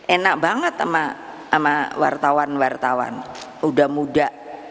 enak banget sama wartawan wartawan udah muda